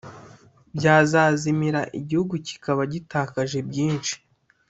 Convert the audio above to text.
byazazimira igihugu kikaba gitakaje byinshi